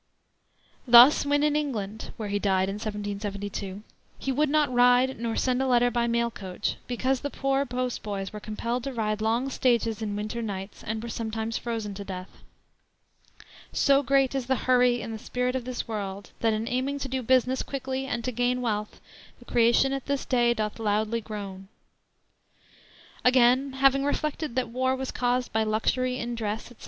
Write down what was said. Thus, when in England where he died in 1772 he would not ride nor send a letter by mail coach, because the poor post boys were compelled to ride long stages in winter nights, and were sometimes frozen to death. "So great is the hurry in the spirit of this world, that in aiming to do business quickly and to gain wealth, the creation at this day doth loudly groan." Again, having reflected that war was caused by luxury in dress, etc.